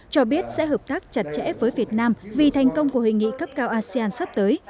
cho biết sẽ hợp tác chặt chẽ với việt nam vì thành công của hình nghị cấp cao asean sắp tới